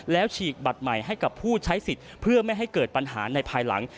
แล้วฉีกบัตรใหม่ให้กับผู้ใช้สิทธิ์เพื่อไม่ให้เกิดปัญหาในภายหลัง